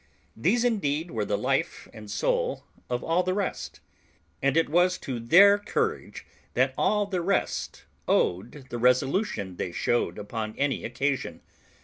These indeed were the life and soul of all the rest, and it was to their courage that all the rest owed the resolution they showed upon any occasion.